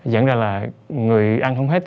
dẫn ra là người ăn không hết